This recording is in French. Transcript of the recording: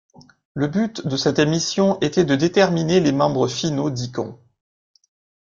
Le but de cette émission était de déterminer les membres finaux d'iKon.